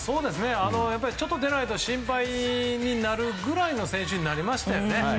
ホームランが出ないと心配になるくらいの選手になりましたよね。